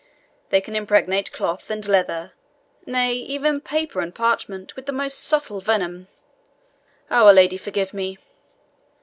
They can impregnate cloth and leather, nay, even paper and parchment, with the most subtle venom. Our Lady forgive me!